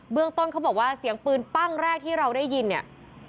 เรื่องต้นเขาบอกว่าเสียงปืนปั้งแรกที่เราได้ยินเนี่ย